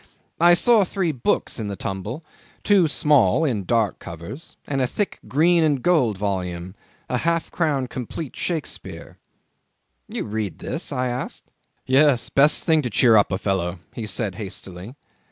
I saw three books in the tumble; two small, in dark covers, and a thick green and gold volume a half crown complete Shakespeare. "You read this?" I asked. "Yes. Best thing to cheer up a fellow," he said hastily.